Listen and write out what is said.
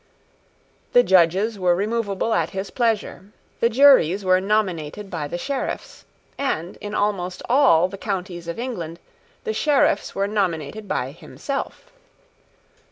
The Judges were removable at his pleasure: the juries were nominated by the Sheriffs; and, in almost all the counties of England, the Sheriffs were nominated by himself.